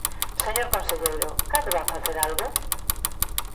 Señor conselleiro, ¿cando van facer algo?